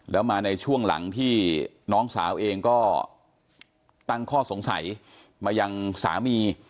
แล้วมาในช่วงหลังที่น้องสาวเองก็ตั้งข้อสงสัยมายังสามี